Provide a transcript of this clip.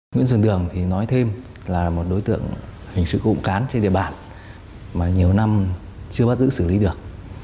nguyễn xuân đường thì nói thêm là một đối tượng hình sự cộng cán trên địa bàn mà nhiều năm chưa bắt giữ xử lý được